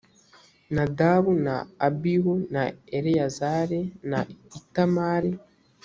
nadabu na abihu na eleyazari na itamari